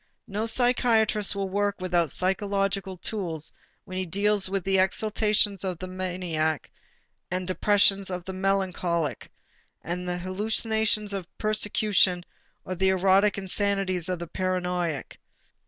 No psychiatrist will work without psychological tools when he deals with the exultations of the maniac and the depressions of the melancholic, with the hallucinations of persecution or the erotic insanities of the paranoiac.